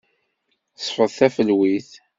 Sfeḍ tafelwit.